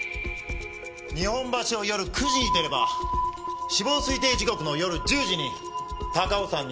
日本橋を夜９時に出れば死亡推定時刻の夜１０時に高尾山に着く事は可能です。